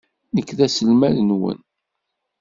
Nekk d aselmad-nwen.